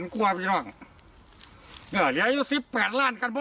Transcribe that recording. ครับ